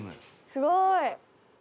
すごい！